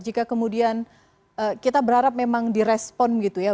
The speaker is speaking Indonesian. jika kemudian kita berharap memang direspon gitu ya